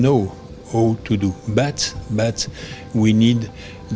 kita tahu bagaimana melakukannya